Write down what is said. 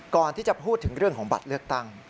ก่อนที่จะพูดถึงเรื่องของบัตรเลือกตั้ง